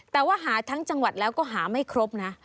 แต่ว่าหาทั้งจังหวัดแล้วก็หาไม่ครบนะ